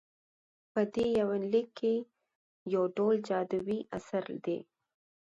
په دې يونليک کې يوډول جادويي اثر دى